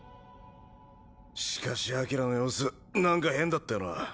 しかしアキラの様子なんか変だったよな。